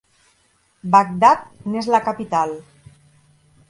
Bagdad n'és la capital.